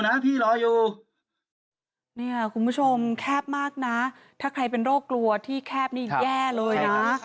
เนี่ยคุณผู้ชมแคบมากนะถ้าใครเป็นโรคกลัวที่แคบนี่แย่เลยนะ